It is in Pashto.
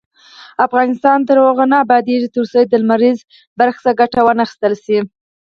افغانستان تر هغو نه ابادیږي، ترڅو د لمریزې بریښنا څخه ګټه وانخیستل شي.